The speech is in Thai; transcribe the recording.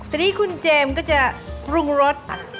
ทีนี้คุณเจมส์ก็จะปรุงรส